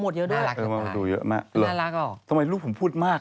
ทำไมรูปผมพูดมาก